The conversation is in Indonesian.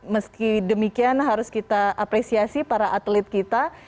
meski demikian harus kita apresiasi para atlet kita